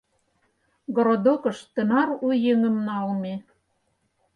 Городокыш тынар у еҥым налме.